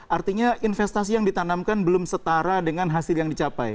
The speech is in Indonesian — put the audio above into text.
artinya investasi yang ditanamkan belum setara dengan hasil yang dicapai